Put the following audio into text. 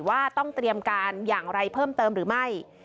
ว่าต้องเตรียมการอย่างไรเพิ่มเติมหรือไม่